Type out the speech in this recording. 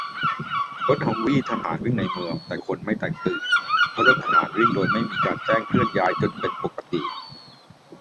- รถฮัมวี่ทหารวิ่งในเมือง แต่คนไม่แตกตื่น เพราะรถทหารวิ่งโดยไม่มีการแจ้งเคลื่อนย้ายจนเป็นปกติ